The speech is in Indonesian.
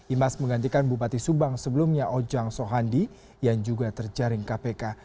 imas menggantikan bupati subang sebelumnya ojang sohandi yang juga terjaring kpk